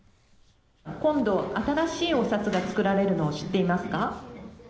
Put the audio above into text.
今度新しいお札が作られるのを知っていますか。